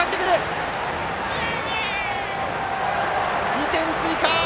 ２点追加！